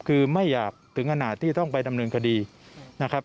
คือไม่อยากถึงขนาดที่ต้องไปดำเนินคดีนะครับ